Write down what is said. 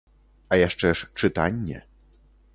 А яшчэ ж чытанне.